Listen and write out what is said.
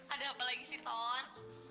ada apa lagi sih ton